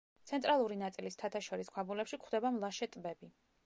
ცენტრალური ნაწილის მთათაშორის ქვაბულებში გვხვდება მლაშე ტბები.